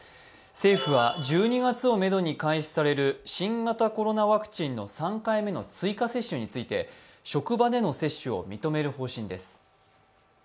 政府は１２月をめどに開始される新型コロナワクチンの３回目の追加接種について、職場での接種を認める方針です。